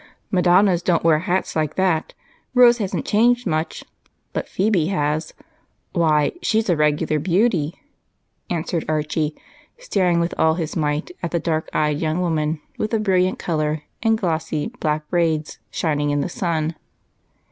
"Madonnas don't wear hats like that. Rose hasn't changed much, but Phebe has. Why, she's a regular beauty!" answered Archie, staring with all his might at the dark eyed young woman with the brilliant color and glossy black braids shining in the sun.